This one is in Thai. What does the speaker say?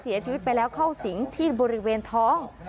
เสียชีวิตไปแล้วเข้าสิงที่บริเวณท้อง